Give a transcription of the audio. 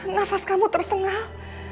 nafas kamu tersengal